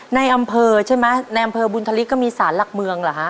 ในอำเภอใช่ไหมในอำเภอบุญธลิกก็มีสารหลักเมืองเหรอฮะ